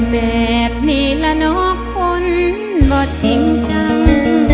แบบนี้ละเนาะคนบ่จริงจัง